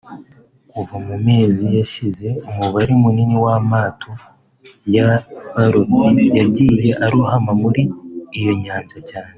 Kuva mu mezi yashize umubare munini w’amato y’abarobyi yagiye arohama muri iyo Nyanja cyane